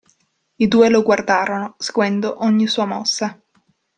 I due lo guardarono, seguendo ogni sua mossa.